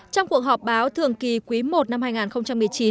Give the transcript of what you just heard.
trong cuộc họp báo thường kỳ quý i năm hai nghìn một mươi chín